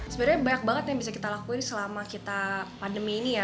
sebenarnya banyak banget yang bisa kita lakuin selama kita pandemi ini ya